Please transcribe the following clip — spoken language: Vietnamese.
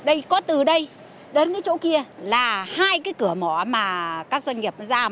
đây có từ đây đến cái chỗ kia là hai cái cửa mỏ mà các doanh nghiệp nó ra